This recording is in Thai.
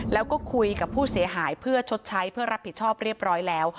แล้วก็คุยกับผู้เสียหายเพื่อชดใช้เพื่อรับผิดชอบเรียบร้อยแล้ว